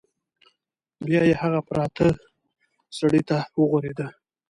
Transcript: بیا یې هغه پراته سړي ته وغوریده.